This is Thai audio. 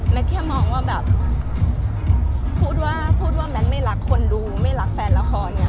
แมทเพียงมองว่าแบบพูดว่าไม่รักคนดูไม่รักแฟนละครเนี่ย